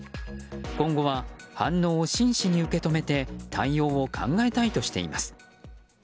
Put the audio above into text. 今後は反応を真摯に受け止めて対応を考えたいとしています。